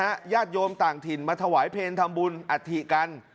ญาติโยมต่างถิ่นมาถวายเพลงทำบุญอัฐิกัน